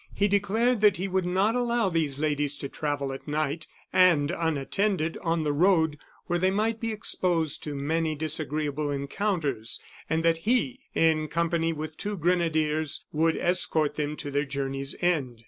He declared that he would not allow these ladies to travel at night, and unattended, on the road where they might be exposed to many disagreeable encounters, and that he, in company with two grenadiers, would escort them to their journey's end.